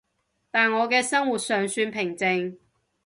但我嘅生活尚算平靜